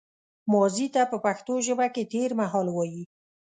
ماضي ته په پښتو ژبه کې تېرمهال وايي